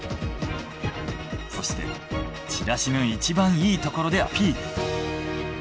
そしてチラシのいちばんいいところでアピール。